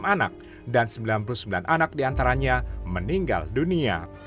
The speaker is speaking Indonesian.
enam anak dan sembilan puluh sembilan anak diantaranya meninggal dunia